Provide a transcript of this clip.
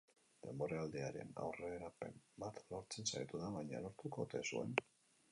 Denboraldiaren aurrerapen bat lortzen saiatu da, baina lortuko ote zuen?